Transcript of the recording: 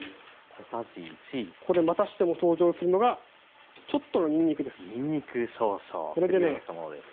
ここでまたしても登場するのがちょっとのにんにくです。